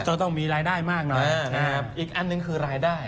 จะต้องมีรายได้มากน้อยนะครับอีกอันหนึ่งคือรายได้